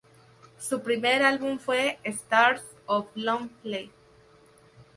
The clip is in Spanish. Su primer álbum fue "Stars on Long Play".